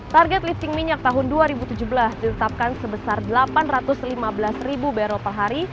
target lifting minyak tahun dua ribu tujuh belas ditetapkan sebesar delapan ratus lima belas ribu barrel per hari